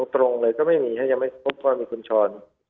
ตรงเลยก็ไม่มียังไม่พบว่ามีคุณชร